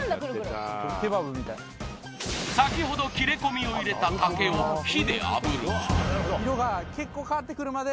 先ほど切れ込みを入れた竹を火であぶるじゃあ